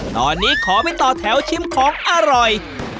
ตอนนี้ขอไปต่อแถวชิมของอร่อย